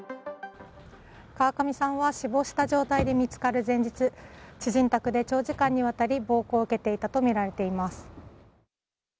川上さんは死亡した状態で見つかる前日、知人宅で長時間にわたり暴行を受けていたと見られています。